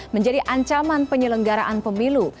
menjadi ancaman penyelenggaraan pemilu